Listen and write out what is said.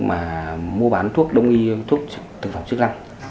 mua bán thuốc đông y thuốc thực phẩm chức lăng